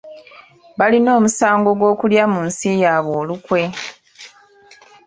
Balina omusango gw’okulya mu nsi yaabwe olukwe.